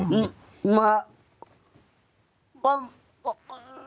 ไม่ลำบาก